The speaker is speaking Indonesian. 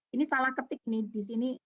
ini salah ketik nih di sini